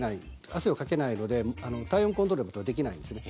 汗をかけないので体温コントロールができないんですね。